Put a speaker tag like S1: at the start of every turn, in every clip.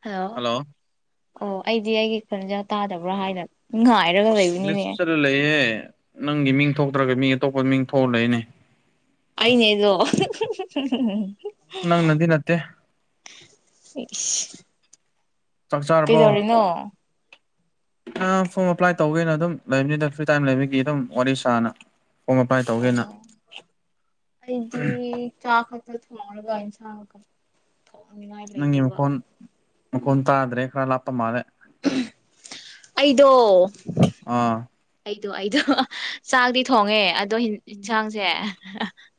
S1: hello ꯑꯣ ꯑꯩꯗꯤ ꯑꯩꯒꯤ ꯈꯨꯟꯖꯥ ꯇꯥꯗꯕ꯭ꯔꯥ ꯍꯥꯏꯅ ꯉꯥꯏꯔ
S2: ꯑꯁ ꯔꯤꯞ ꯆꯠꯂ ꯂꯩꯌꯦꯦ ꯅꯪꯒꯤ ꯃꯤꯡ ꯊꯣꯛꯇ꯭ꯔꯒ ꯃꯤ ꯑꯇꯣꯞꯄ ꯃꯤꯡ ꯊꯣꯛꯑ ꯂꯩꯅꯦ
S1: ꯑꯏꯅꯦꯗꯣ
S2: ꯅꯪ ꯅꯗꯤ ꯅꯠꯇꯦ ꯆꯥꯛ ꯆꯥꯔꯕꯣ
S1: ꯀꯩꯗꯧꯔꯤꯅꯣ
S2: ꯐꯣꯝ ꯑꯦꯄ꯭ꯂꯥꯏ ꯇꯧꯦꯅ ꯑꯗꯨꯝ ꯂꯩꯕꯅꯤꯗ ꯐ꯭ꯔꯤ ꯇꯥꯏꯝ ꯂꯩꯕꯒꯤ ꯑꯗꯨꯝ ꯋꯥꯔꯤ ꯁꯥꯅ ꯑꯣ ꯃꯄꯥꯏ ꯇꯧꯒꯦꯅ
S1: ꯑꯣ ꯑꯩꯗꯤ ꯆꯥ ꯈꯄ ꯊꯣꯡꯡꯂꯒ ꯆꯥꯒ
S2: ꯅꯪꯒꯤ ꯃꯈꯣꯟ ꯃꯈꯣꯟ ꯇꯥꯗ꯭ꯔꯦ ꯈꯔ ꯂꯥꯞꯄ ꯃꯥꯜꯂꯦ
S1: ꯑꯩꯗꯣ
S2: ꯑꯥ
S1: ꯑꯩꯗꯣ ꯑꯩꯗꯣ ꯆꯥꯛꯗꯤ ꯊꯣꯡꯉꯦ ꯑꯗꯣ ꯌꯦꯟꯁꯥꯡꯁꯦ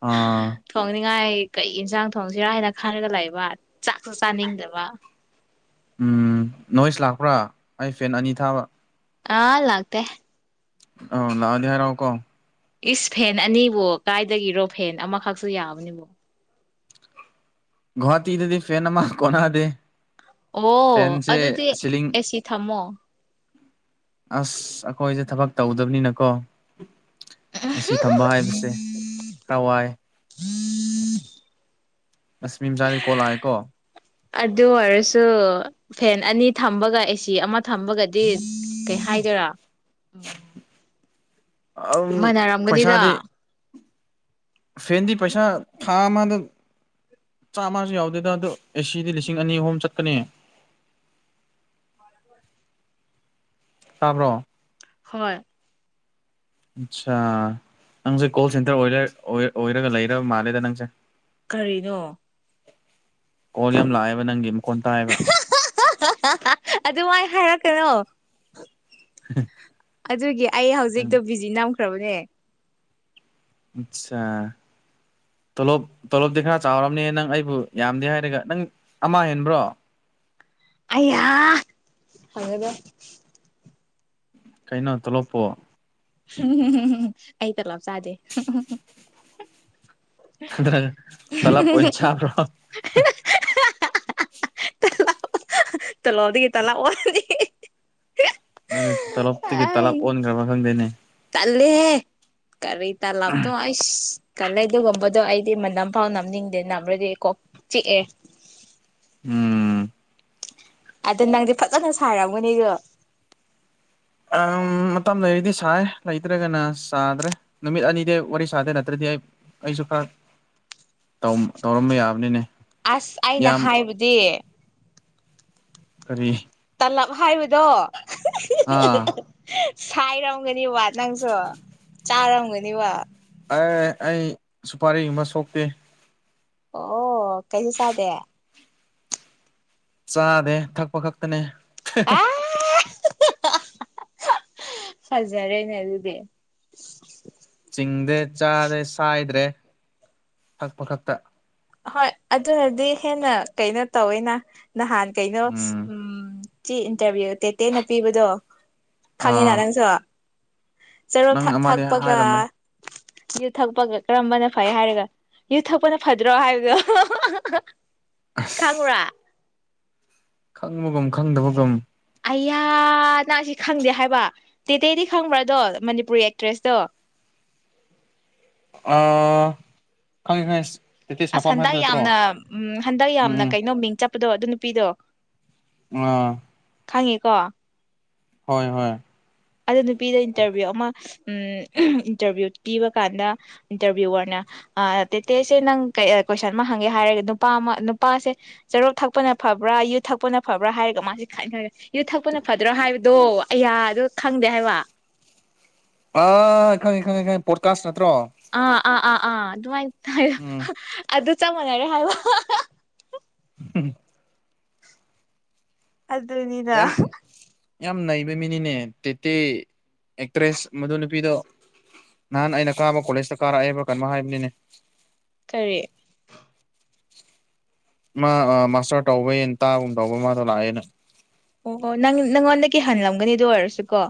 S2: ꯑꯥ
S1: ꯊꯣꯡꯅꯤꯡꯉꯥꯏ ꯀꯩ ꯌꯦꯟꯁꯥꯡ ꯊꯣꯡꯁꯤꯔꯥ ꯍꯥꯏꯅ ꯈꯔꯒ ꯂꯩꯕ ꯆꯥꯛꯁꯨ ꯆꯥꯅꯤꯡꯗꯕ
S2: ꯎꯝ ꯅꯣꯏꯁ ꯂꯥꯛꯄ꯭ꯔꯥ ꯑꯩ ꯐꯦꯟ ꯑꯅꯤ ꯊꯥꯕ
S1: ꯑꯥ ꯂ ꯂꯥꯛꯇꯦ
S2: ꯑ ꯂ ꯑꯗꯨꯗꯤꯔꯥꯎꯀꯣ
S1: ꯏꯁ ꯐꯦꯟ ꯑꯅꯤꯕꯨ ꯀꯥꯏꯗꯒꯤꯔꯣ ꯐꯦꯟ ꯑꯃꯈꯛꯁꯨ ꯌꯥꯕꯅꯤꯕꯣ
S2: ꯒꯋꯥꯍꯇꯤꯗꯗꯤ ꯐꯦꯟꯃ ꯀꯣꯟꯅꯥꯗꯦ
S1: ꯑꯣ ꯑꯗꯨꯗꯤ
S2: ꯁꯤꯂꯤꯡ
S1: ꯑꯦꯁꯤ ꯊꯝꯃꯣ
S2: ꯑꯁ ꯑꯩꯈꯣꯏꯁꯦ ꯊꯕꯛ ꯇꯧꯗꯕꯅꯤꯅꯀꯣ ꯑꯦꯁꯤ ꯊꯝꯕ ꯍꯥꯏꯕꯁꯦ ꯀꯋꯥꯥꯏ ꯑꯁ ꯃꯤ ꯃꯆꯥꯗꯤ ꯀꯣꯜ ꯂꯥꯛꯑꯦꯀꯣ
S1: ꯑꯗꯨ ꯑꯣꯏꯔꯁꯨꯨ ꯐꯦꯟ ꯑꯅꯤ ꯊꯝꯕꯒ ꯑꯦꯁꯤ ꯑꯃ ꯊꯝꯕꯒꯗꯤ ꯀꯩ ꯍꯥꯏꯗꯣꯏꯔꯥ
S2: ꯑꯗꯨꯝ
S1: ꯃꯥꯅꯔꯝꯒꯅꯤꯗ
S2: ꯄꯩꯁꯥꯗꯤ ꯐꯦꯟꯗꯤ ꯄꯩꯁꯥ ꯊꯥ ꯑꯃꯗ ꯆꯥꯝꯃꯁꯨ ꯌꯧꯗꯦꯗ ꯑꯗꯣ ꯑꯦꯁꯤꯗꯤ ꯂꯤꯁꯤꯡ ꯑꯅꯤ ꯑꯍꯨꯝ ꯆꯠꯀꯅꯤ ꯇꯥꯕ꯭ꯔꯣ
S1: ꯍꯣꯏ
S2: ꯑꯆꯥ ꯅꯪꯖꯦ ꯀꯣꯜ ꯁꯦꯟꯇꯔ ꯑꯣꯏꯔ ꯑꯣꯏꯔ ꯑꯣꯏꯔꯒ ꯂꯩꯔꯕ ꯃꯥꯜꯂꯦꯗ ꯅꯪꯁꯦ
S1: ꯀꯔꯤꯅꯣ
S2: ꯀꯣꯜ ꯌꯥꯝ ꯂꯥꯛꯑꯦꯕ ꯅꯪꯒꯤ ꯃꯈꯣꯟ ꯇꯥꯏꯑꯕ
S1: ꯑꯗꯨꯃꯥꯏ ꯍꯥꯏꯔꯛꯀꯅꯣ
S2: [unintelligible]
S1: ꯑꯗꯨꯒꯤ ꯑꯩ
S2: ꯎꯝ
S1: ꯍꯧꯖꯤꯛꯇꯣ ꯕꯤꯖꯤ ꯅꯝꯈ꯭ꯔꯕꯅꯦ
S2: ꯑꯆꯥ ꯇꯣꯂꯣꯞ ꯇꯣꯂꯣꯞꯇꯤ ꯈꯔ ꯆꯥꯎꯔꯝꯅꯤ ꯅꯪ ꯑꯩꯕꯨ ꯌꯥꯝꯗꯦ ꯍꯥꯏꯔꯒ ꯅꯪ ꯑꯃ ꯍꯦꯟꯕ꯭ꯔꯣ
S1: ꯑꯌꯥ [unintelligible]
S2: ꯀꯩꯅꯣ ꯇꯣꯂꯣꯞꯄꯣ
S1: ꯑꯩ ꯇꯣꯂꯣꯞ ꯆꯥꯗꯦ
S2: [unintelligible] ꯇꯂꯞ ꯑꯣꯏ ꯆꯥꯕ꯭ꯔꯣ
S1: ꯇꯂꯞ ꯇꯣꯂꯣꯞꯇꯒꯤ ꯇꯂꯞ ꯑꯣꯜꯂꯤ
S2: ꯑꯗꯨ ꯇꯂꯣꯞꯇꯒꯤ ꯇꯂꯞ ꯑꯣꯟꯈ꯭ꯔꯕ ꯈꯪꯗꯦꯅꯦ
S1: ꯇꯜꯂꯤꯍꯦ ꯀꯔꯤ ꯇꯂꯞꯇꯣ ꯏꯁ ꯇꯜꯂꯦ ꯑꯗꯨꯒꯨꯝꯕꯗꯣ ꯑꯩꯗꯤ ꯃꯅꯝ ꯐꯥꯎ ꯅꯝꯅꯤꯡꯗꯦ ꯅꯝꯔꯗꯤ ꯑꯩ ꯀꯣꯛ ꯆꯤꯛꯑꯦ
S2: ꯎꯝ
S1: ꯑꯗꯣ ꯅꯪꯗꯤ ꯐꯖꯅ ꯁꯥꯔꯝꯒꯅꯦꯗꯣ
S2: ꯑꯝ ꯃꯇꯝ ꯂꯩꯔꯗꯤ ꯁꯥꯏ ꯂꯩꯇ꯭ꯔꯒꯅ ꯆꯥꯗ꯭ꯔꯦ ꯅꯨꯃꯤꯠ ꯑꯅꯤꯗꯤ ꯋꯥꯔꯤ ꯁꯥꯗꯦ ꯅꯠꯇ꯭ꯔꯗꯤ ꯑꯩ ꯑꯩꯁꯨ ꯈꯔ ꯇ꯭ꯋꯝ ꯇꯧꯔꯝꯕ ꯌꯥꯕꯅꯤꯅꯦ
S1: ꯑꯁ ꯑꯩꯅ
S2: ꯌꯥꯝ
S1: ꯍꯥꯏꯕꯗꯤ
S2: ꯀꯔꯤ
S1: ꯇꯂꯞ ꯍꯥꯏꯕꯗꯣ
S2: ꯑꯥ
S1: ꯁꯥꯏꯔꯝꯒꯅꯤꯕ ꯅꯪꯁꯨ ꯆꯥꯔꯝꯒꯅꯤꯕ
S2: ꯑꯦ ꯑꯩ ꯁꯨꯄꯔꯤ ꯑꯃ ꯁꯣꯛꯇꯦ
S1: ꯑꯣ ꯀꯩꯁꯨ ꯆꯥꯗꯦ
S2: ꯆꯥꯗꯦ ꯊꯛꯄ ꯈꯛꯇꯅꯦ
S1: ꯐꯖꯔꯦꯅꯦ ꯑꯗꯨꯗꯤ
S2: ꯆꯤꯡꯗ ꯆꯥꯗꯦ ꯁꯥꯏꯗ꯭ꯔꯦ ꯊꯛꯄ ꯈꯛꯇ
S1: ꯍꯣꯏ ꯑꯗꯨꯅꯗꯤ ꯍꯦꯟꯅ ꯀꯩꯅꯣ ꯇꯧꯋꯦꯅ ꯅꯍꯥꯟ ꯀꯩꯅꯣ ꯎꯝ ꯆꯤ ꯏꯟꯇꯔꯚꯤꯌꯨ ꯇꯦꯇꯦꯅ ꯄꯤꯕꯗꯣ ꯈꯪꯉꯤꯅ
S2: ꯑꯥ
S1: ꯅꯪꯁꯨ ꯆꯨꯔꯣꯞ
S2: ꯅꯪ
S1: ꯊꯛ
S2: ꯑꯃꯗꯤ
S1: ꯊꯛꯄꯒ
S2: ꯍꯥꯏꯔꯝꯃꯦ
S1: ꯌꯨ ꯊꯛꯄꯒ ꯀꯔꯝꯕꯅ ꯐꯩ ꯍꯥꯏꯔꯒ ꯌꯨ ꯊꯛꯄꯅ ꯐꯗ꯭ꯔꯣ ꯍꯥꯏꯕꯗꯣ
S2: ꯑꯁ
S1: ꯈꯪꯕ꯭ꯔꯥ
S2: ꯈꯪꯕꯒꯨꯝ ꯈꯪꯗꯕꯒꯨꯝ
S1: ꯑꯌꯥ ꯅꯪ ꯁꯤ ꯈꯪꯗꯦ ꯍꯥꯏꯕ ꯇꯦꯇꯦꯗꯤ ꯈꯪꯕ꯭ꯔꯗꯣ ꯃꯅꯤꯄꯨꯔꯤ ꯑꯦꯛꯇ꯭ꯔꯦꯁꯇꯣ
S2: ꯑꯥ ꯈꯪꯉꯦ ꯈꯪꯉꯦ ꯁꯤ
S1: ꯑꯁ ꯍꯟꯗꯛ ꯌꯥꯝꯅ ꯎꯝ ꯍꯟꯗꯛ ꯌꯥꯝꯅ
S2: ꯎꯝ
S1: ꯀꯩꯅꯣ ꯃꯤꯡ ꯆꯠꯄꯗꯣ ꯑꯗꯨ ꯅꯨꯄꯤꯗꯣ
S2: ꯑꯥ
S1: ꯈꯪꯉꯦꯀꯣ
S2: ꯍꯣꯏ ꯍꯣꯏ
S1: ꯑꯗꯨ ꯅꯨꯄꯤꯗ ꯏꯟꯇꯔꯚꯤꯌꯨ ꯑꯃ ꯎꯝ ꯏꯟꯇꯔꯚꯤꯌꯨ ꯄꯤꯕ ꯀꯥꯟꯗ ꯏꯟꯇꯔꯚꯤꯌꯨꯔꯅ ꯑ ꯇꯦꯇꯦꯁꯦ ꯅꯪ ꯀꯩ ꯑꯥ ꯀꯣꯏꯁꯟ ꯑꯃ ꯍꯪꯒꯦ ꯍꯥꯏꯔꯒ ꯅꯨꯄꯥ ꯑꯃ ꯅꯨꯄꯥꯁꯦ ꯆꯨꯔꯨꯞ ꯊꯛꯄꯅ ꯐꯕ꯭ꯔꯥ ꯌꯨ ꯊꯛꯄꯅ ꯐꯕ꯭ꯔꯥ ꯍꯥꯏꯔꯒ ꯃꯥꯁꯤ ꯈꯟꯔꯦ ꯌꯨ ꯊꯛꯄꯅ ꯐꯗ꯭ꯔꯣ ꯍꯥꯏꯕꯗꯣ ꯑꯌꯥꯗꯣ ꯈꯪꯗꯦ ꯍꯥꯏꯕ
S2: ꯑ ꯈꯪꯉꯦ ꯈꯪꯉꯦ ꯈꯪꯉꯦ ꯄꯣꯠꯀꯥꯁ ꯅꯠꯇ꯭ꯔꯣ
S1: ꯑꯥ ꯑꯥ ꯑꯥ ꯑꯥ ꯑꯗꯨꯃꯥꯏꯅ
S2: ꯎꯝ
S1: ꯑꯗꯨ ꯆꯞ ꯃꯥꯟꯅꯔꯦ ꯍꯥꯏꯕ
S2: [unintelligible]
S1: ꯑꯗꯨꯅꯤꯗ
S2: ꯌꯥꯝ ꯌꯥꯝ ꯅꯩꯕ ꯃꯤꯅꯤꯅꯦ ꯇꯦꯇꯦ ꯑꯦꯛꯇ꯭ꯔꯦꯁ ꯃꯗꯨ ꯅꯨꯄꯤꯗꯣ ꯅꯍꯥꯟ ꯑꯩꯅ ꯀꯥꯕ ꯀꯣꯂꯦꯖꯇ ꯀꯥꯔꯛꯑꯦꯕ ꯀꯩꯅꯣ ꯍꯥꯏꯕꯅꯤꯅꯦ
S1: ꯀꯔꯤ
S2: ꯃꯥ ꯃꯥꯁꯇꯔ ꯇꯧꯕ ꯌꯦꯟ ꯇꯥꯒꯨꯝ ꯇꯧꯕ ꯃꯥꯗꯣ ꯂꯥꯛꯑꯦꯅ
S1: ꯑꯣ ꯑꯣ ꯅꯪ ꯅꯪꯉꯣꯟꯗꯀꯤ ꯍꯥꯟꯅꯂꯝꯒꯅꯤ ꯑꯗꯨ ꯑꯣꯏꯔꯁꯨ ꯀꯣ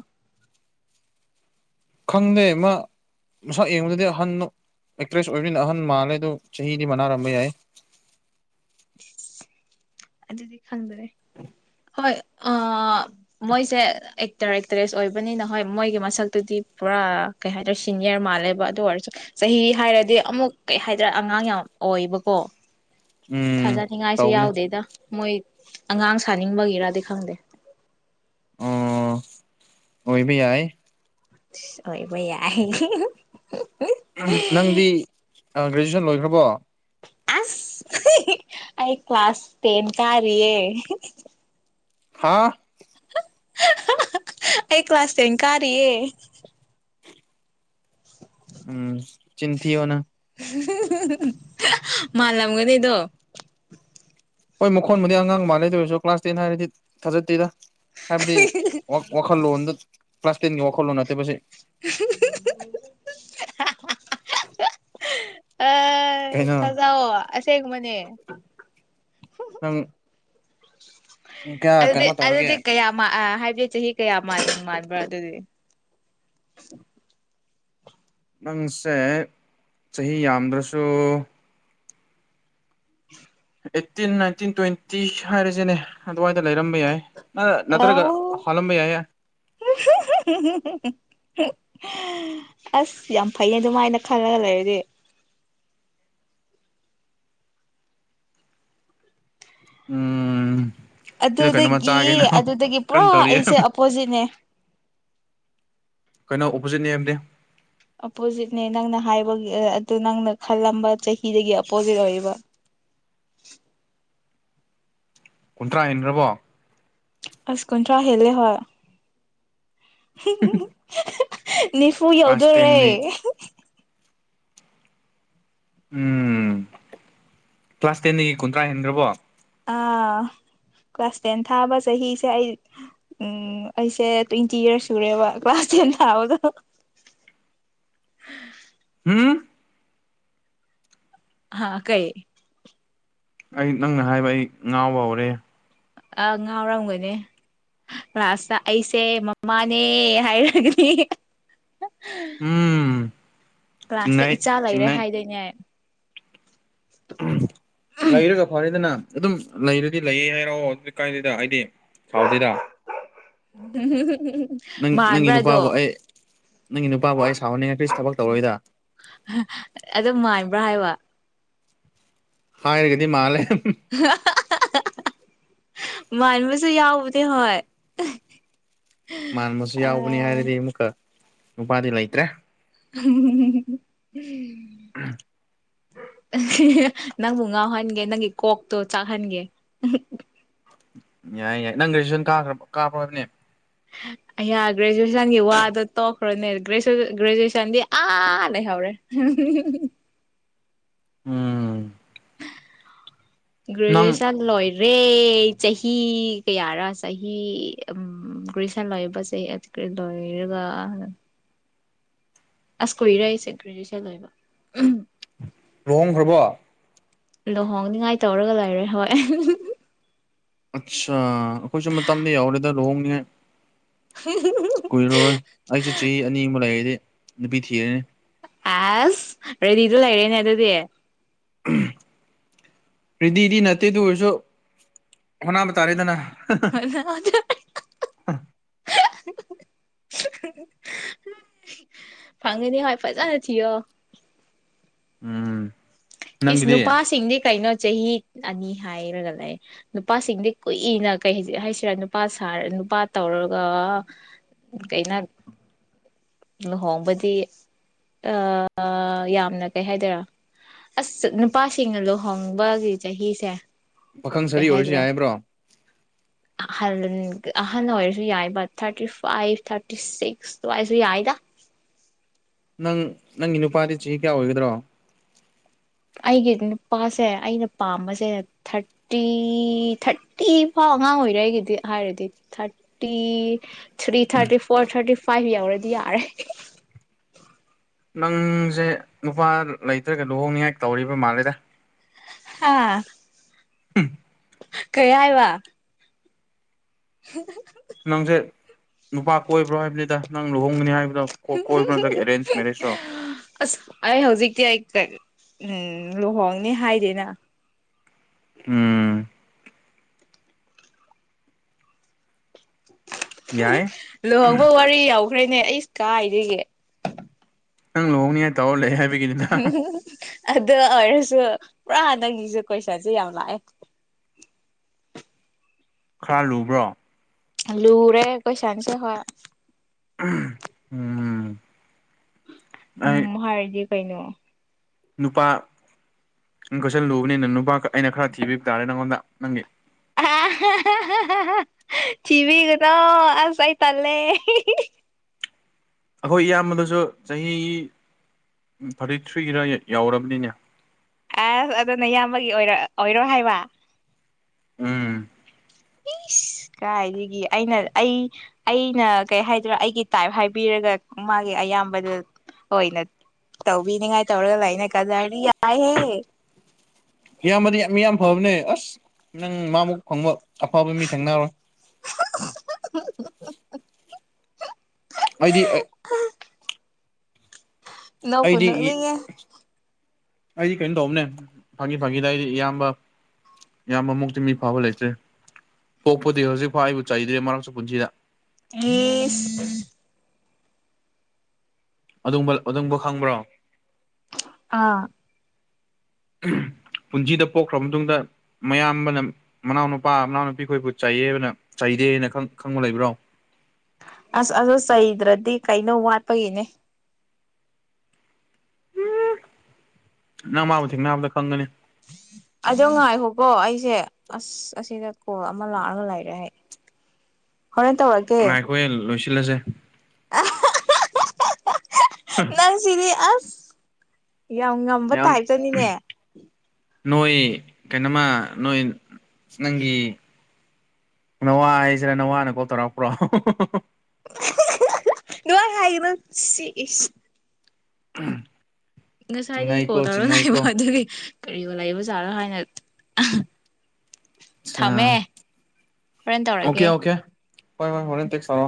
S2: ꯈꯪꯗꯦ ꯃꯥ ꯃꯁꯛ ꯌꯦꯡꯕꯗꯨꯗꯤ ꯑꯍꯟꯅꯣ ꯑꯦꯛꯇ꯭ꯔꯦꯁ ꯑꯣꯏꯕꯅꯤꯅ ꯑꯍꯟ ꯃꯥꯜꯂꯦ ꯑꯗꯨ ꯆꯍꯤꯗꯤ ꯃꯅꯥꯔꯝꯕ ꯌꯥꯏ
S1: [inaudible] ꯑꯗꯨꯗꯤ ꯈꯪꯗ꯭ꯔꯦ
S2: [inaudible]
S1: ꯍꯣꯏ ꯑ ꯃꯣꯏꯁꯦ ꯑꯦꯛꯇꯔ ꯑꯦꯛꯇ꯭ꯔꯦꯁ ꯑꯣꯏꯕꯅꯤꯅ ꯍꯣꯏ ꯃꯣꯏꯒꯤ ꯃꯁꯛꯇꯨꯗꯤ ꯄꯨꯔꯥ ꯀꯩ ꯍꯥꯏꯇꯥꯔꯦ ꯁꯤꯅꯤꯌꯔ ꯃꯥꯜꯂꯦꯕ ꯑꯗꯨ ꯑꯣꯏꯔꯁꯨ ꯆꯍꯤ ꯍꯥꯏꯔꯗꯤ ꯑꯃꯨꯛ ꯀꯩ ꯍꯥꯏꯗ꯭ꯔꯥ ꯑꯉꯥꯡ ꯌꯥꯝ ꯑꯣꯏꯕꯀꯣ
S2: ꯎꯝ
S1: ꯊꯥꯖꯅꯤꯡꯉꯥꯏꯁꯨ
S2: ꯇꯧꯕꯅꯦ
S1: ꯌꯥꯎꯗꯦꯗ ꯃꯣꯏ ꯑꯉꯥꯡ ꯁꯥꯅꯤꯡꯕꯒꯤꯔꯗꯤ ꯈꯪꯗꯦ
S2: ꯑꯣ ꯑꯣꯏꯕ ꯌꯥꯏ
S1: ꯑꯣꯏꯕ ꯌꯥꯏ [unintelligible]
S2: ꯅꯪꯗꯤ ꯒ꯭ꯔꯦꯖꯨꯌꯦꯁꯟ ꯂꯣꯏꯈ꯭ꯔꯕꯣ
S1: ꯑꯁ ꯑꯩ ꯀ꯭ꯂꯥꯁ ꯇꯦꯟ ꯀꯥꯔꯤꯌꯦ
S2: ꯍꯥꯥ
S1: ꯑꯩ ꯀ꯭ꯂꯥꯁ ꯊꯦꯟ ꯀꯥꯔꯤꯌꯦ [inaudible]
S2: ꯎꯝ ꯆꯤꯟꯊꯤꯑꯣ ꯅꯪ
S1: [unintelligible] ꯃꯥꯜꯂꯝꯒꯅꯤꯗꯣ
S2: ꯍꯣꯏ ꯃꯈꯣꯟꯕꯨꯗꯤ ꯑꯉꯥꯡ ꯃꯥꯜꯂꯦ ꯑꯗꯨ ꯑꯣꯏꯔꯁꯨ ꯀ꯭ꯂꯥꯁ ꯇꯦꯟ ꯍꯥꯏꯔꯗꯤ ꯊꯥꯖꯠꯇꯦꯔ ꯍꯥꯏꯕꯗꯤꯋꯥꯛ ꯋꯥꯈꯜꯂꯣꯟꯗꯣ ꯀ꯭ꯂꯥꯁ ꯇꯦꯟꯒꯤ ꯋꯥꯈꯜꯂꯣꯟ ꯅꯠꯇꯦꯕꯁꯦ
S1: [inaudible] ꯑ
S2: ꯀꯩꯅꯣ
S1: ꯊꯖꯧꯑꯣ ꯑꯁꯦꯡꯕꯅꯦ
S2: ꯅꯪ ꯀꯌꯥ
S1: ꯑꯗꯨꯗꯤ
S2: ꯀꯩꯅꯣ ꯇꯧꯔꯒꯦ
S1: ꯑꯗꯨꯗꯤ ꯀꯌꯥ ꯃꯥ ꯑ ꯍꯥꯏꯕꯗꯤ ꯆꯍꯤ ꯀꯌꯥ ꯃꯥꯟ ꯃꯥꯟꯕꯔ ꯑꯗꯨꯗꯤ
S2: ꯅꯪꯁꯦ ꯆꯍꯤ ꯌꯥꯝꯗ꯭ꯔꯁꯨ
S1: [unintelligible]
S2: ꯑꯦꯠꯇꯤꯟ ꯅꯥꯏꯇꯤꯟ ꯇ꯭ꯋꯦꯟꯇꯤ ꯍꯥꯏꯔꯁꯤꯅꯦ ꯑꯗꯨꯋꯥꯏꯗ ꯂꯩꯔꯝꯕ ꯌꯥꯏ ꯑ ꯅꯠꯇ꯭ꯔꯒ
S1: ꯑꯥꯎ
S2: ꯍꯥꯜꯂꯝꯕ ꯌꯥꯏꯌꯦ
S1: [unintelligible] ꯑꯁ ꯌꯥꯝ ꯐꯩ ꯑꯗꯨꯃꯥꯏꯅ ꯈꯜꯂꯒ ꯂꯩꯔꯗꯤ
S2: ꯎꯝ ꯁꯤꯗ ꯀꯩꯅꯣꯃ
S1: ꯑꯗꯨꯗꯒꯤ
S2: ꯆꯥꯒꯦꯅ
S1: ꯑꯗꯨꯗꯒꯤ ꯄꯨꯔꯥ
S2: ꯀꯟꯅ ꯇꯧꯔꯤꯌꯦ
S1: ꯑꯩꯁꯦ ꯑꯣꯞꯄꯣꯖꯤꯠꯅꯦ
S2: ꯀꯩꯅꯣ ꯑꯣꯄꯣꯖꯤꯠ ꯅꯦꯝꯗꯦ
S1: ꯑꯞꯄꯣꯖꯤꯠꯅꯦ ꯅꯪꯅ ꯍꯥꯏꯕꯒꯤ ꯑꯗꯨ ꯅꯪꯅ ꯈꯜꯂꯝꯕ ꯆꯍꯤꯗꯒꯤ ꯑꯞꯄꯣꯖꯤꯠ ꯑꯣꯏꯕ
S2: ꯀꯨꯟꯊ꯭ꯔꯥ ꯍꯦꯟꯗ꯭ꯔꯔꯕꯣ
S1: ꯑꯁꯀꯨꯟꯊ꯭ꯔ ꯍꯥꯏꯂꯦ ꯍ ꯊꯨ
S2: ꯀ꯭ꯂꯥꯁ
S1: ꯌꯧꯗꯣꯔꯦ
S2: ꯇꯦꯟꯅꯤ ꯎꯝ ꯀ꯭ꯂꯥꯁ ꯇꯦꯟꯗꯒꯤ ꯀꯨꯟꯊ꯭ꯔꯥ ꯍꯦꯟꯈ꯭ꯔꯕꯣ
S1: ꯑꯥ ꯀ꯭ꯂꯥꯁ ꯇꯦꯟ ꯊꯥꯕ ꯆꯍꯤꯁꯦ ꯑꯩ ꯎꯝ ꯑꯩꯁꯦ ꯇ꯭ꯋꯦꯟꯇꯤ ꯌꯔꯁ ꯁꯨꯔꯦꯕ ꯀ꯭ꯂꯥꯁ ꯇꯦꯟ ꯊꯥꯕꯗꯣ
S2: ꯎꯝ
S1: ꯍꯥ ꯀꯩꯌꯦ
S2: ꯑꯩ ꯅꯪꯅ ꯍꯥꯏꯕ ꯑꯩ ꯉꯥꯎꯕ ꯍꯧꯔꯦ
S1: ꯑ ꯉꯥꯎꯔꯝꯒꯅꯦ ꯔꯥꯁꯅ ꯑꯩꯁꯦ ꯃꯃꯥꯅꯦ ꯍꯥꯏꯔꯒꯅꯤ
S2: ꯎꯝ
S1: ꯀ꯭ꯂꯥꯁꯇ
S2: ꯆꯤꯡꯅꯩ
S1: ꯏꯆꯥ ꯂꯩꯔꯦ
S2: ꯆꯤꯡꯅꯩ
S1: ꯍꯥꯏꯗꯣꯏꯅꯦ
S2: ꯎꯝ ꯂꯩꯔꯒ ꯐꯔꯦꯗꯅ ꯑꯗꯨꯝ ꯂꯩꯔꯗꯤ ꯂꯩꯌꯦ ꯍꯥꯏꯔꯛꯑꯣ ꯑꯗꯨ ꯀꯥꯏꯗꯗ ꯑꯩꯗꯤ ꯁꯥꯎꯗꯦꯗ
S1: ꯎ ꯍ
S2: ꯅꯪ ꯅꯪꯒꯤ ꯅꯨꯄꯥꯕꯨ ꯑꯩ ꯅꯪꯒꯤ ꯅꯨꯄꯥꯕꯨ ꯑꯩ ꯁꯥꯎꯍꯟꯅꯤꯡꯉꯥꯏ ꯀꯔꯤꯁꯨ ꯊꯕꯛ ꯇꯧꯔꯣꯏꯗ
S1: ꯑꯗꯨꯝ ꯃꯥꯏꯕ꯭ꯔꯥ ꯍꯥꯏꯕ
S2: ꯍꯥꯏꯔꯒꯗꯤ ꯃꯥꯜꯂꯦ
S1: [inaudible] ꯃꯥꯟꯕꯁꯨ ꯌꯥꯎꯕꯅꯦ ꯍꯣꯏ
S2: ꯃꯥꯟꯕꯁꯨ ꯌꯥꯎꯕꯅꯤ ꯍꯥꯏꯔꯗꯤ ꯑꯃꯨꯛꯀ ꯅꯨꯄꯥꯗꯤ ꯂꯩꯇ꯭ꯔꯦ
S1: [unintelligible] ꯅꯪꯕꯨ ꯉꯥꯎꯍꯟꯒꯦ ꯅꯪꯒꯤ ꯀꯣꯛꯇꯣ ꯆꯥꯛꯍꯟꯒꯦ
S2: ꯌꯥꯏ ꯌꯥꯏ ꯅꯪ ꯒꯔꯦꯠꯖꯨꯑꯦꯠꯁꯟ ꯑꯗꯨ ꯀꯥꯈ꯭ꯔ ꯀꯥꯈ꯭ꯔꯣꯕꯅꯦ
S1: ꯑꯩ ꯒ꯭ꯔꯦꯖꯨꯑꯦꯁꯟꯒꯤ ꯋꯥꯗꯣ ꯇꯣꯛꯈ꯭ꯔꯣꯅꯦ ꯒ꯭ꯔꯦꯖꯨꯑꯦꯁꯟꯗꯤ ꯑꯥ ꯂꯩꯍꯧꯔꯦ ꯍꯨꯝ ꯍꯨꯝ
S2: ꯎꯝ ꯅꯪ
S1: ꯒ꯭ꯔꯦꯖꯨꯑꯦꯁꯟ ꯂꯣꯏꯔꯦ ꯆꯍꯤ ꯀꯌꯥꯔ ꯆꯍꯤ ꯒꯦꯖꯌꯨꯌꯦꯁꯟ ꯂꯣꯏꯕꯁꯦ [inaudible] ꯑꯁ ꯀꯨꯏꯔꯛꯏꯁꯦ ꯒ꯭ꯔꯦꯖꯨꯌꯦꯦꯁꯟ ꯑꯣꯏꯕ
S2: ꯂꯨꯍꯣꯡꯈ꯭ꯔꯕꯣ
S1: ꯂꯨꯍꯣꯡꯅꯤꯡꯉꯥꯏ ꯇꯧꯔꯒ ꯂꯩꯔꯦ ꯍꯣꯏ
S2: ꯑꯠꯆꯥ ꯑꯩꯈꯣꯏꯁꯨ ꯃꯇꯝꯗ ꯌꯥꯎꯔꯦꯗ ꯂꯨꯍꯣꯡꯅꯤꯉꯥꯏ
S1: ꯍ
S2: ꯀꯨꯏꯔꯔꯣꯏ ꯑꯩꯁꯨ ꯆꯍꯤ ꯑꯅꯤꯃ ꯂꯩꯔꯗꯤ ꯅꯨꯄꯤ ꯊꯤꯔꯅꯤ
S1: ꯑꯁ ꯔꯦꯗꯤꯗꯨ ꯂꯩꯔꯦꯅꯦ ꯑꯗꯨꯗꯤ
S2: ꯔꯤꯗꯤꯗꯤ ꯅꯠꯇꯦ ꯑꯗꯨ ꯑꯣꯏꯔꯁꯨ ꯍꯧꯠꯅꯕ ꯇꯥꯔꯦꯗꯅ
S1: ꯍ
S2: ꯑ
S1: ꯐꯪꯒꯅꯤ ꯍꯣꯏ ꯐꯖꯅ ꯊꯤꯌꯣ
S2: ꯎꯝ
S1: ꯏꯁ
S2: ꯅꯪꯒꯤꯗꯤ
S1: ꯅꯨꯄꯥꯁꯤꯡꯗꯤ ꯀꯩꯅꯣ ꯆꯍꯤ ꯑꯅꯤ ꯍꯥꯏꯔꯒ ꯂꯩ ꯅꯨꯄꯥꯁꯤꯡꯗꯤ ꯀꯨꯏꯅ ꯀ ꯍꯥꯏꯁꯤꯔꯥ ꯅꯨꯄꯥꯔ ꯅꯨꯄꯥ ꯇꯧꯔꯒ ꯀꯩꯩꯅꯣ ꯂꯨꯍꯣꯡꯕꯗꯤ ꯑ ꯌꯥꯝꯅ ꯀꯩ ꯍꯥꯏꯗꯣꯏꯔ ꯑꯁ ꯅꯨꯄꯥꯁꯤꯡꯅ ꯂꯨꯍꯣꯡꯕꯒꯤ ꯆꯍꯤꯁꯦ
S2: ꯄꯥꯈꯪ
S1: ꯀꯩ
S2: ꯁꯔꯤ ꯑꯣꯏꯔꯁꯨ
S1: ꯍꯥꯏꯗ꯭ꯔꯥ
S2: ꯍꯥꯏꯕ꯭ꯔꯣ
S1: ꯑꯍꯜ ꯑꯍꯜ ꯑꯣꯏꯔꯁꯨ ꯌꯥꯏꯕ ꯊꯥꯔꯇꯤ ꯐꯥꯏꯚ ꯊꯥꯔꯇꯤ ꯁꯤꯛꯁꯋꯥꯏ ꯑꯗꯨ ꯌꯥꯥꯏꯗ
S2: ꯅꯪ ꯅꯪꯒꯤ ꯅꯨꯄꯥꯗꯤ ꯆꯍꯤ ꯀꯌꯥ ꯑꯣꯏꯒꯗ꯭ꯔꯣ
S1: ꯑꯩꯒꯤ ꯅꯨꯄꯥꯁꯦ ꯑꯩꯅ ꯄꯥꯝꯕꯁꯦ ꯊꯥꯔꯇꯤ ꯊꯥꯔꯇꯤ ꯐꯥꯎ ꯑꯉꯥꯡ ꯑꯣꯏꯔꯤ ꯑꯩꯒꯤꯗꯤ ꯍꯥꯏꯔꯗꯤ ꯊꯥꯔ three thirty four thirty five ꯌꯧꯔꯗꯤ ꯌꯥꯔꯦ
S2: ꯅꯪꯁꯦ ꯅꯨꯄꯥ ꯂꯩꯇ꯭ꯔꯒ ꯂꯨꯍꯣꯡꯅꯤꯉꯥꯏ ꯇꯧꯔꯤꯕ ꯃꯥꯜꯂꯦꯗ
S1: ꯍꯥꯥ
S2: ꯎꯝ
S1: ꯀꯩ ꯍꯥꯏꯕ [unintelligible]
S2: ꯅꯪꯁꯦ ꯅꯨꯄꯥ ꯀꯣꯏꯕ꯭ꯔꯣ ꯍꯥꯏꯕꯅꯤꯗ ꯅꯪ ꯂꯨꯍꯣꯡꯒꯅꯤ ꯍꯥꯏꯕꯗꯣ ꯀꯣꯏꯕ ꯅꯠꯇ꯭ꯔꯒ ꯑꯦꯔꯦꯟꯖ ꯃꯦꯔꯦꯖꯔꯣ
S1: ꯑꯁ ꯑꯩ ꯍꯧꯖꯤꯛꯇꯤ ꯑꯩ ꯎꯝ ꯂꯨꯍꯣꯡꯅꯤ ꯍꯥꯏꯗꯦꯅ
S2: ꯎꯝ ꯌꯥꯏ
S1: [unintelligible] ꯂꯨꯍꯣꯡꯕ ꯋꯥꯔꯤ ꯌꯥꯎꯈ꯭ꯔꯦꯅꯦ ꯑꯩꯁ ꯀꯥꯏꯗꯒꯤ
S2: ꯅꯪ ꯂꯨꯍꯣꯡꯅꯤ ꯍꯥꯏ ꯇꯧ ꯂꯩ ꯍꯥꯏ
S1: ꯑꯗꯨ ꯑꯣꯏꯔꯁꯨ ꯄꯨꯔꯥ ꯅꯪꯒꯤꯁꯨ ꯀꯣꯏꯁꯟꯁꯦ ꯌꯥꯝ ꯂꯥꯛꯑꯦ
S2: ꯈꯔ ꯂꯨꯕ꯭ꯔꯣ
S1: ꯂꯨꯔꯦ ꯀꯣꯏꯁꯟꯁꯦ ꯍꯣꯏ
S2: ꯎꯝ ꯑꯩ
S1: ꯎꯝ ꯍꯥꯏꯔꯗꯤ ꯀꯩꯅꯣ
S2: ꯅꯨꯄꯥ ꯀꯣꯏꯁꯜ ꯂꯨꯕꯅꯤꯅ ꯅꯪ ꯅꯨꯄꯥ ꯑꯩꯅ ꯈꯔ ꯊꯤꯕꯤꯕ ꯇꯥꯔꯦ ꯅꯪꯉꯣꯟꯗ ꯅꯪꯒꯤ
S1: [unintelligible] ꯊꯤꯕꯤꯒꯅꯣ ꯑꯁ ꯑꯩ ꯇꯟꯂꯦ
S2: ꯑꯩꯈꯣꯏ ꯏꯌꯥꯝꯕꯗꯁꯨ ꯆꯍꯤ ꯊꯥꯔꯇꯤ ꯊ꯭ꯔꯤꯔ ꯌꯥꯎꯔꯕꯅꯤꯅꯦ
S1: ꯑꯁ ꯑꯗꯨꯅ ꯏꯌꯥꯝꯕꯒꯤ ꯑꯣꯏꯔ ꯑꯣꯏꯔꯣ ꯍꯥꯏꯕ
S2: ꯎꯝ
S1: ꯏꯁ ꯀꯥꯏꯗꯒꯤ ꯑꯩꯅ ꯑꯩ ꯑꯩꯅ ꯀꯩ ꯍꯥꯏꯗ꯭ꯔꯥ ꯑꯩꯒꯤ ꯇꯥꯏꯞ ꯍꯥꯏꯕꯤꯔꯒ ꯃꯥꯒꯤ ꯑꯌꯥꯝꯕꯗ ꯑꯣꯏꯅ ꯇꯧꯕꯤꯅꯤꯉꯥꯏ ꯇꯧꯔꯒ ꯂꯩꯅ ꯀꯥꯗꯔꯗꯤ ꯌꯥꯝ ꯍꯩꯍꯦ
S2: ꯏꯌꯥꯝꯕꯗꯤ ꯃꯤ ꯌꯥꯝ ꯐꯕꯅꯦ ꯑꯁ ꯅꯪ ꯃꯥꯃꯨꯛ ꯐꯪꯕ ꯑꯐꯕ ꯃꯤ ꯊꯦꯡꯅꯔꯣꯏ
S1: [unintelligible]
S2: ꯑꯩꯗꯤ
S1: ꯅꯣꯛꯄꯨ
S2: ꯑꯩꯗꯤ
S1: ꯅꯣꯛꯅꯤꯡꯉꯦ
S2: ꯑꯩꯗꯤ ꯀꯩꯅꯣ ꯇꯧꯕꯅꯦ ꯐꯥꯒꯤ ꯐꯥꯒꯤꯗ ꯑꯩꯗꯤ ꯏꯌꯥꯝꯕ ꯏꯌꯥꯝꯕ ꯃꯨꯛꯇꯤ ꯃꯤ ꯐꯥꯕ ꯂꯩꯇ꯭ꯔꯦ ꯄꯣꯛꯄꯗꯒꯤ ꯍꯧꯖꯤꯛꯐꯥꯎ ꯑꯩꯕꯨ ꯆꯩꯗ꯭ꯔꯦ ꯃꯔꯛꯁꯨ ꯄꯨꯟꯁꯤꯗ
S1: ꯏꯁ [unintelligible]
S2: ꯑꯗꯨꯝꯕ ꯑꯗꯨꯝꯕ ꯈꯪꯕ꯭ꯔꯣ
S1: ꯑꯥ
S2: ꯄꯨꯟꯁꯤꯗ ꯄꯣꯛꯈ꯭ꯔ ꯃꯇꯨꯡꯗ ꯃꯌꯥꯝꯕꯅ ꯃꯅꯥꯎ ꯅꯨꯨꯄꯥ ꯃꯅꯥꯎꯅꯨꯄꯤ ꯈꯣꯏꯕꯨ ꯆꯩꯥꯏꯌꯦꯕꯅ ꯆꯩꯗꯦꯅ ꯈꯪꯕ ꯂꯩꯕ꯭ꯔꯣ
S1: ꯑꯁ ꯑꯗꯨ ꯆꯩꯗ꯭ꯔꯗꯤ ꯀꯩꯅꯣ ꯋꯥꯠꯄꯒꯤꯅꯦ
S2: ꯅꯪ ꯃꯥꯕꯨ ꯊꯦꯡꯅꯕꯗ ꯈꯪꯒꯅꯤ
S1: ꯑꯗꯣ ꯉꯥꯏꯈꯣꯀꯣ ꯑꯩꯁꯦ ꯑꯁ ꯑꯁ ꯑꯁꯤꯗ ꯀꯣꯜ ꯑꯃ ꯂꯥꯛꯑꯒ ꯂꯩꯔꯦ ꯑꯩ ꯍꯣꯔꯦꯟ ꯇꯧꯔꯛꯀꯦ
S2: ꯉꯥꯏꯈꯣꯍꯦ ꯂꯣꯏꯁꯤꯜꯂꯁꯦ
S1: ꯑꯍꯥ [unintelligible] ꯅꯪꯁꯤꯗꯤ ꯑꯁ ꯌꯥꯝ ꯉꯝꯃꯦ
S2: ꯌꯥꯝ ꯅꯣꯏ ꯀꯩꯅꯣꯃ ꯅꯣꯏ ꯅꯪꯒꯤ ꯅꯋꯥ ꯍꯥꯏꯁꯤꯔ ꯅꯋꯥꯅ ꯀꯣꯜ ꯇꯧꯔꯛꯄ꯭ꯔꯣ [unintelligible]
S1: [unintelligible] ꯑꯗꯨꯃꯥꯏ ꯍꯥꯏꯅꯣ ꯁꯤꯁ [unintelligible]
S2: ꯎꯝ
S1: ꯉꯁꯥꯏꯗꯒꯤ ꯀꯣꯜ ꯇꯧꯔ ꯂꯥꯛꯏꯕ ꯑꯗꯨꯒꯤ ꯀꯔꯤꯣ ꯂꯩꯕꯖꯥꯠꯔꯣ ꯍꯥꯏꯅ
S2: ꯑ
S1: ꯊꯝꯃꯦ ꯍꯣꯔꯦꯟ ꯇꯧꯔꯛꯀꯦ
S2: ꯑꯣꯀꯦ ꯑꯣꯀꯦ ꯍꯣꯏ
S1: ꯎꯝ
S2: ꯍꯣꯏ ꯐꯣꯔ ꯇꯦꯛ ꯁꯔꯣ